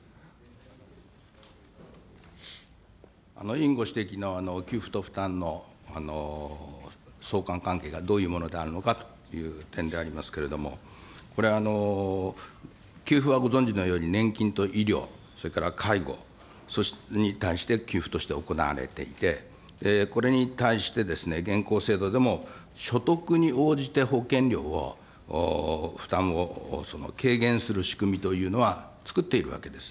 委員ご指摘の給付と負担の相関関係がどういうものであるのかという点でありますけれども、これ、給付はご存じのように年金と医療、それから介護、それに対して、給付として行われていて、これに対してですね、現行制度でも所得に応じて保険料を負担を軽減する仕組みというのはつくっているわけです。